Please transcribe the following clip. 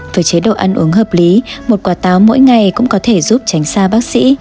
với chế độ ăn uống hợp lý một quả táo mỗi ngày cũng có thể giúp tránh xa bác sĩ